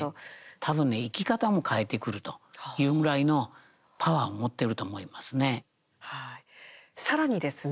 たぶんね、生き方も変えてくるというぐらいのパワーを持ってると思いますね。